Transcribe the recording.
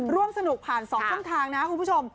ร่วมสนุกผ่าน๒ช่องทางนะคุณผู้ชม